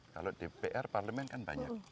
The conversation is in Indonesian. kalau dpr parlemen kan banyak